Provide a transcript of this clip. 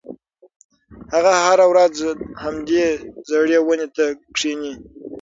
هغه هره ورځ همدې زړې ونې ته کښېني.